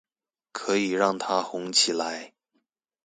可以讓他紅起來